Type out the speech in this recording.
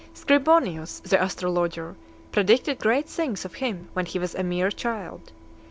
Scribonius, the astrologer, predicted great things of him when he was a mere child.